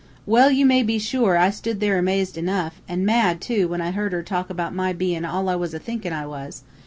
"Well, you may be sure, I stood there amazed enough, an' mad too when I heard her talk about my bein' all I was a thinkin' I was.